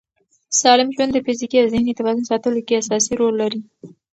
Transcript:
سالم ژوند د فزیکي او ذهني توازن ساتلو کې اساسي رول لري.